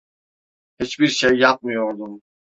Hiçbir şey yapmıyordum.